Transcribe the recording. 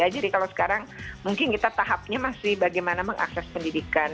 jadi kalau sekarang mungkin kita tahapnya masih bagaimana mengakses pendidikan